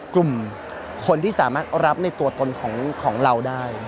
กลุ่มคนที่สามารถรับในตัวตนของเราได้